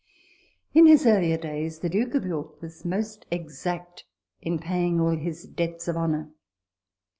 In his earlier days the Duke of York was most exact in paying all his debts of honour.